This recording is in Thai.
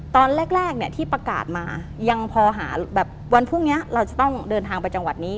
ตอนแรกเนี่ยที่ประกาศมายังพอหาแบบวันพรุ่งนี้เราจะต้องเดินทางไปจังหวัดนี้